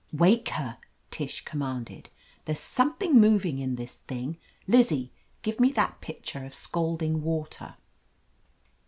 "Wake her!" Tish commanded. "There's something moving in this thing. Lizzie, give me that pitcher of scalding water."